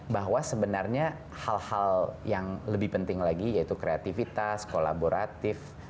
bahwa sebenarnya hal hal yang lebih penting lagi yaitu kreativitas kolaboratif